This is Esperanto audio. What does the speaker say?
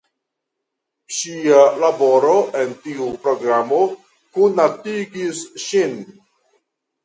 Ŝia laboro en tiu programo konatigis ŝin.